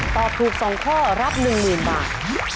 ตอบถูก๒ข้อรับ๑๐๐๐บาท